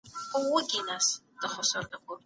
ټولنه باید د غلامۍ د نښو په وړاندي بیداره وي.